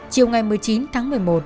chiều ngày một mươi chín tháng một mươi một